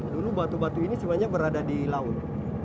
dulu batu batu ini sebenarnya berada di laut